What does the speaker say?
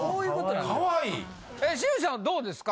新内さんはどうですか？